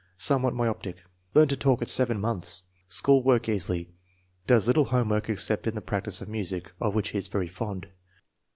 Somewhat myopic. Learned to talk at 7 months. School work easy; does little home work except in the practice of music, of which he is very fond.